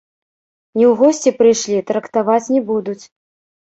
Не ў госці прыйшлі, трактаваць не будуць.